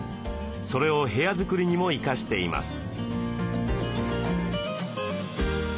それを部屋作りにも生かしています。